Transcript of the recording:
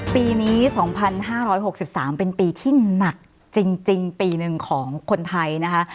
ปีนี้๒๕๖๓เป็นปีที่หนักจริงปีหนึ่งของคนไทยนะคะ